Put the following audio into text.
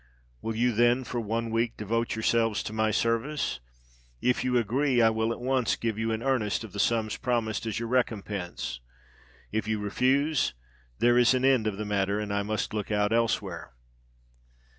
Will you, then, for one week devote yourselves to my service? If you agree, I will at once give you an earnest of the sums promised as your recompense: if you refuse, there is an end of the matter—and I must look out elsewhere."